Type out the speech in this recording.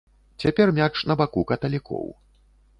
Цяпер мяч на баку каталікоў.